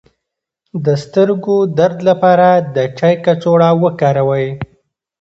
د سترګو درد لپاره د چای کڅوړه وکاروئ